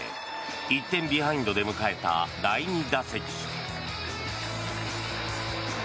１点ビハインドで迎えた第２打席。